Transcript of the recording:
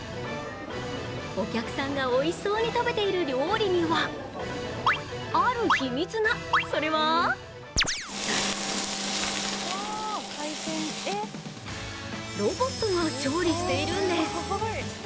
お客さんがおいしそうに食べている料理にはある秘密が、それはロボットが調理しているんです。